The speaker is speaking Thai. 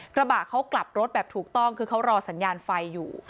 กระบะเขากลับรถแบบถูกต้องคือเขารอสัญญาณไฟอยู่